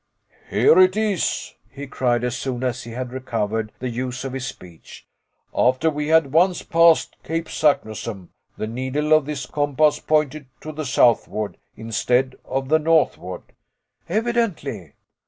"Here it is!" he cried, as soon as he had recovered the use of his speech, "after we had once passed Cape Saknussemm, the needle of this compass pointed to the southward instead of the northward." "Evidently."